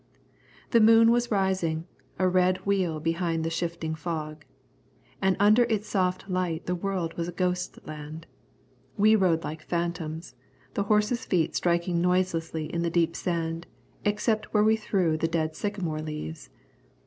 The moon was rising, a red wheel behind the shifting fog. And under its soft light the world was a ghost land. We rode like phantoms, the horses' feet striking noiselessly in the deep sand, except where we threw the dead sycamore leaves.